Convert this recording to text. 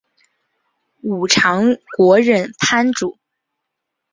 武藏国忍藩主。